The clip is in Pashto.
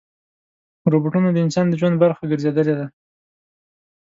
روبوټونه د انسان د ژوند برخه ګرځېدلي دي.